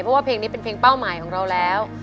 เพราะว่าเพลงนี้เป็นเพลงเป้าหมายของเราแล้ว